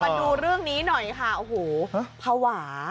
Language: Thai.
มาดูเรื่องนี้หน่อยค่ะโอ้โหภาวะ